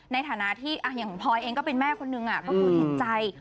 ในฐานะที่อย่างพลอยเองก็เป็นแม่คนนึงก็คือเห็นใจ